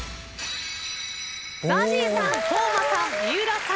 ＺＡＺＹさん當間さん三浦さん